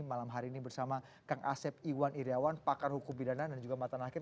malam hari ini bersama kang asep iwan iryawan pakar hukum bidanan dan juga mbak tanah hakim